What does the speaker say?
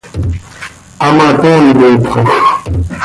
Hamatoonipxoj.